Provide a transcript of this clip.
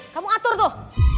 kamu atur tuh